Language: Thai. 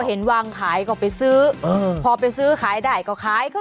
เห็นวางขายก็ไปซื้อพอไปซื้อขายได้ก็ขายก็